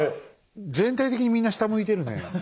全体的にみんな下向いてるねえ。